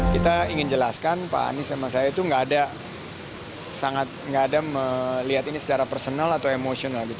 kita ingin jelaskan pak anies sama saya itu gak ada melihat ini secara personal atau emosional